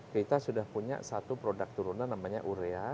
kita sudah punya satu produk turunan namanya urea